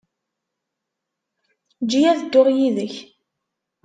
Eǧǧ-iyi ad dduɣ yid-k.